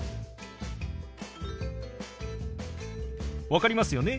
分かりますよね？